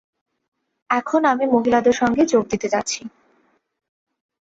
এখন আমি মহিলাদের সঙ্গে যোগ দিতে যাচ্ছি।